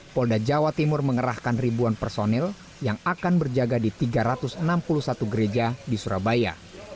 polda jawa timur mengerahkan ribuan personil yang akan berjaga di tiga ratus enam puluh satu gereja di surabaya